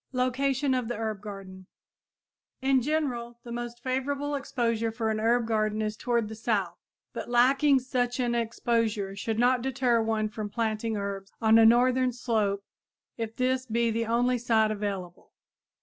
LOCATION OF HERB GARDEN In general, the most favorable exposure for an herb garden is toward the south, but lacking such an exposure should not deter one from planting herbs on a northern slope if this be the only site available.